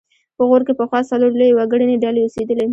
په غور کې پخوا څلور لویې وګړنۍ ډلې اوسېدلې